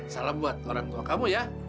salam buat orang tua kamu ya